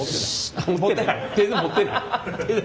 あっ持ってない？